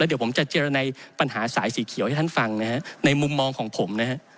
เดี๋ยวผมจะเจรนายปัญหาสายสีเขียวให้ท่านฟังในมุมมองของผม